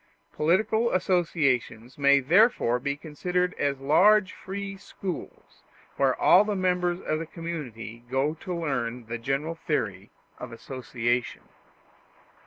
Political associations may therefore be considered as large free schools, where all the members of the community go to learn the general theory of association.